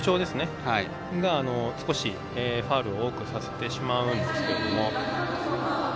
それがファウルを多くさせてしまうんですけれども。